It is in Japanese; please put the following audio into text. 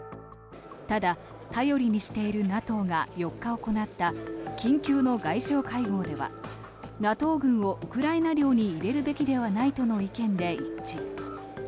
ただ、頼りにしているＮＡＴＯが４日行った緊急の外相会合ではＮＡＴＯ軍をウクライナ領に入れるべきではないとの意見で一致。